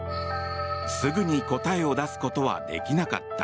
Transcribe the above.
すぐに答えを出すことはできなかった。